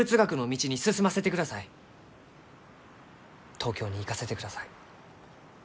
東京に行かせてください。